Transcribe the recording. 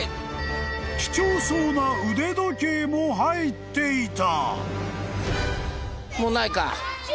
［貴重そうな腕時計も入っていた］